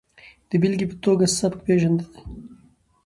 د بېلګې په ټوګه سبک پېژندنې